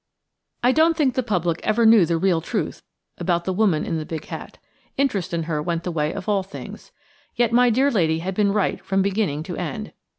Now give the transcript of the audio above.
I don't think the public ever knew the real truth about the woman in the big hat. Interest in her went the way of all things. Yet my dear lady had been right from beginning to end.